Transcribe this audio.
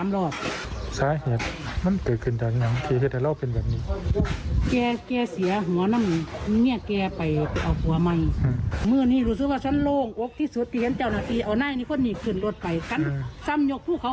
บางคนห้องใส่แล้วก็เล้ยกลับขึ้นมา